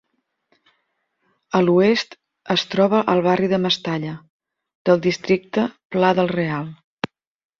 A l'oest es troba el barri de Mestalla del districte Pla del Real.